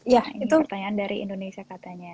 ya itu pertanyaan dari indonesia katanya